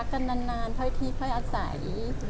ก็บอกให้รักกันนานไพ้ที่ไพ้อสาย